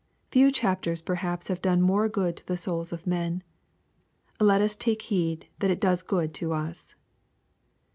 Few chap ters perhaps have done more good to the souls of men. Let us take heed that it does good to us.